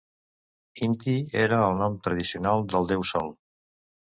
Inti era el nom tradicional del déu sol.